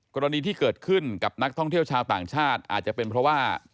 กรณีที่เกิดขึ้นกับนักท่องเที่ยวชาวต่างชาติอาจจะเป็นเพราะว่า